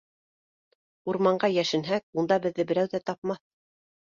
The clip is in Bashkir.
Урманға йәшенһәк, унда беҙҙе берәү ҙә тапмаҫ.